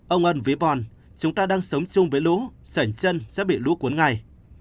ông ân vi bòn chúng ta đang sống chung với lũ sảnh chân sẽ bị lũ cuốn ngay